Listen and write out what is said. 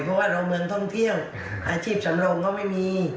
เพราะว่าเราเมืองท่องเที่ยวอาชีพสำรองเขาไม่มี